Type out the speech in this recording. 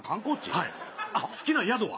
はい好きな宿は？